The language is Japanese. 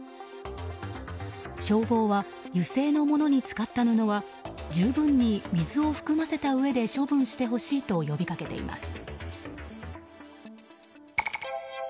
消防は、油性のものに使った布は十分に水を含ませたうえで処分してほしいと呼びかけています。